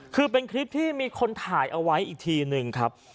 คือเป็นคลิปที่มีคนถ่ายเอาไว้อีกทีหนึ่งครับ